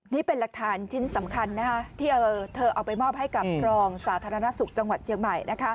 นี่เป็นหลักฐานชิ้นสำคัญที่เธอเอาไปมอบให้กับรองสาธารณสุขจังหวัดเชียงใหม่